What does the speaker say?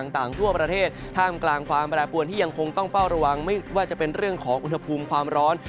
ต่างประเทศท่ามกลางความแปรปวนที่ยังคงต้องเฝ้าระวังไม่ว่าจะเป็นเรื่องของอุณหภูมิความร้อน